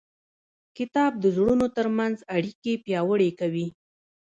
کتاب د زړونو ترمنځ اړیکې پیاوړې کوي.